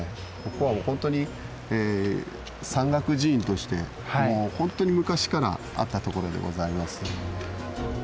ここはほんとに山岳寺院としてほんとに昔からあったところでございます。